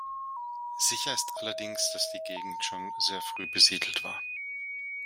Sicher ist allerdings, dass die Gegend schon sehr früh besiedelt war.